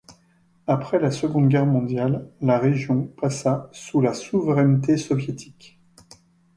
Après la Seconde Guerre mondiale, la région passa sous la souveraineté soviétique.